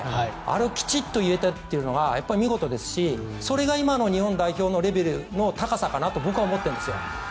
あれをきちんと言えたっていうのがやっぱり見事ですしそれが今の日本代表のレベルの高さかなと僕は思っているんですよ。